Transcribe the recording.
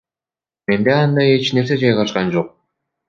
Менде андай эч нерсе жайгашкан эмес.